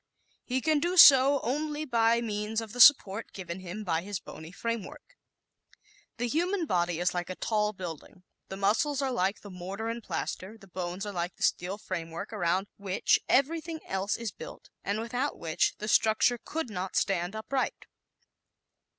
He can so do only by means of the support given him by his bony framework. The human body is like a tall building the muscles are like the mortar and plaster, the bones are like the steel framework around which everything else is built and without which the structure could not stand upright.